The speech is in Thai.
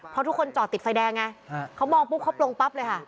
เพราะทุกคนจอดติดไฟแดงไงเขามองปุ๊บเขาปลงปั๊บเลยค่ะ